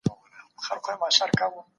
که مو د موبیل لپاره پاور بانک ته ضرورت